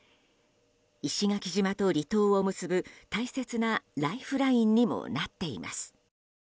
石垣島と離島を結ぶ大切なライフラインにもなっています。